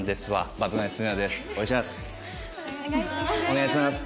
お願いします。